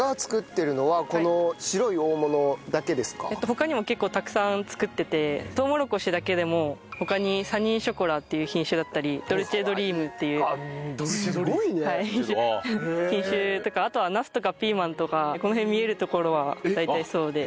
他にも結構たくさん作っててとうもろこしだけでも他にサニーショコラっていう品種だったりドルチェドリームっていう品種とかあとはナスとかピーマンとかこの辺見える所は大体そうで。